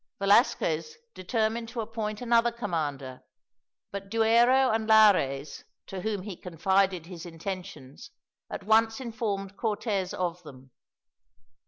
Velasquez determined to appoint another commander, but Duero and Lares, to whom he confided his intentions, at once informed Cortez of them.